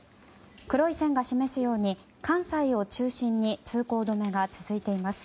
黒い線が示すように関西を中心に通行止めが続いています。